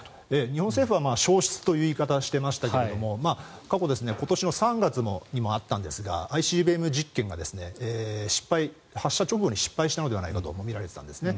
日本政府は消失という言い方をしていましたが過去、今年の３月にもあったんですがＩＣＢＭ実験が発射直後に失敗したんじゃないかとみられていたんですね。